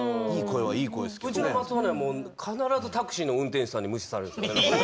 うちの松尾は必ずタクシーの運転手さんに無視されるんですよね。